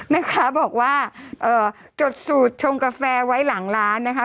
นะคะบอกว่าเอ่อจดสูตรชงกาแฟไว้หลังร้านนะคะ